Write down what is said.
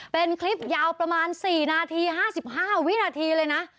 เป็นคลิปยาวประมาณ๔นาที๕๕วินาทีเลยนะ